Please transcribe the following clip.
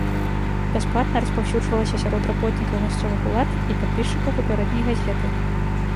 Бясплатна распаўсюджвалася сярод работнікаў мясцовых улад і падпісчыкаў папярэдняй газеты.